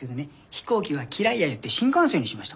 飛行機は嫌いやよって新幹線にしました。